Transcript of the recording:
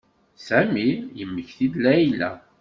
Sami yemmekti-d Layla.